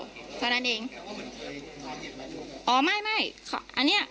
คุณผู้ชมฟังเสียงผู้หญิง๖ขวบโดนนะคะ